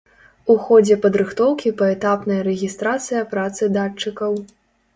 У ходзе падрыхтоўкі паэтапная рэгістрацыя працы датчыкаў.